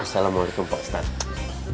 assalamualaikum pak ustadz